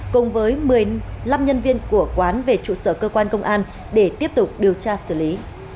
cùng với một mươi năm nhân viên của quán về trụ sở cơ quan công an để tiếp tục điều tra xử lý